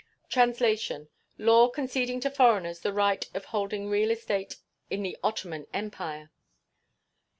[Translation.] LAW CONCEDING TO FOREIGNERS THE RIGHT OF HOLDING REAL ESTATE IN THE OTTOMAN EMPIRE.